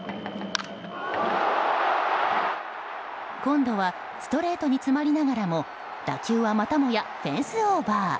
今度はストレートに詰まりながらも打球はまたもやフェンスオーバー。